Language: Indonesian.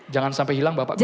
jangan sampai hilang bapak bisa